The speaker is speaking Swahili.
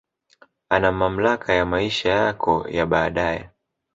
Ana mamlaka na maisha yako ya baadae